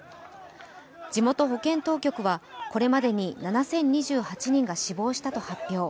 地元保健当局はこれまでに７０２８人が死亡したと発表。